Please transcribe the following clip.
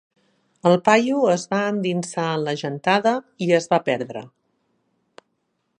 El paio es va endinsar en la gentada i es va perdre.